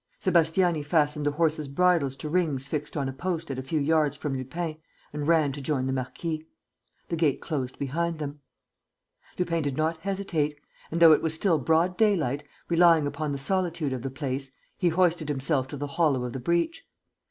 Sébastiani fastened the horses' bridles to rings fixed on a post at a few yards from Lupin and ran to join the marquis. The gate closed behind them. Lupin did not hesitate; and, though it was still broad daylight, relying upon the solitude of the place, he hoisted himself to the hollow of the breach.